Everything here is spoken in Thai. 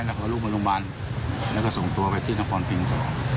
แล้วก็ลูกมาโรงพยาบาลแล้วก็ส่งตัวไปที่นครพิงต่อ